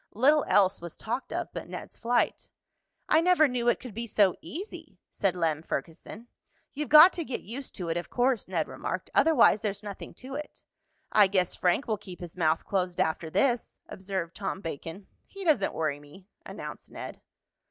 Little else was talked of but Ned's flight. "I never knew it could be so easy," said Lem Ferguson. "You've got to get used to it, of course," Ned remarked. "Otherwise, there's nothing to it." "I guess Frank will keep his mouth closed after this," observed Tom Bacon. "He doesn't worry me," announced Ned.